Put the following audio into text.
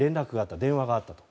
電話があったと。